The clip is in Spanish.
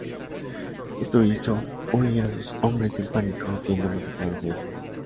Esto hizo huir a sus hombres en pánico, siendo masacrados en la fuga.